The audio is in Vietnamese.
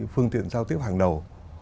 phương tiện giao tiếp hàng đầu